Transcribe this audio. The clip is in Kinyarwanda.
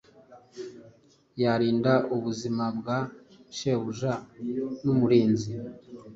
Yarinda ubuzima bwa shebuja numurinzi